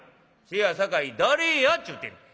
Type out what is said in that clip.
「せやさかい誰やっちゅうてんねん」。